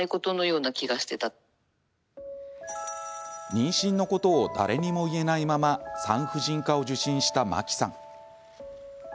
妊娠のことを誰にも言えないまま産婦人科を受診したマキさん。